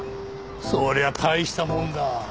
そりゃあ大したもんだ。